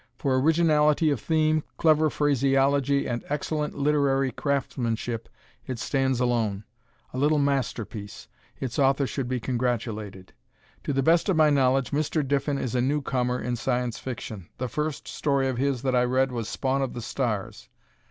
For originality of theme, clever phraseology and excellent literary craftsmanship it stands alone a little masterpiece. Its author should be congratulated. To the best of my knowledge, Mr. Diffin is a newcomer in Science Fiction. The first story of his that I read was "Spawn of the Stars."